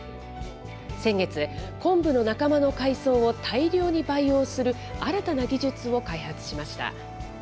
先月、コンブの仲間の海藻を大量に培養する新たな技術を開発しました。